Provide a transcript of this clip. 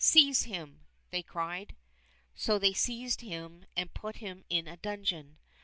Seize him !" they cried. So they seized him and put him in a dungeon.